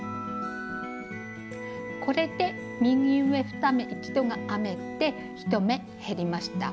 これで「右上２目一度」が編めて１目減りました。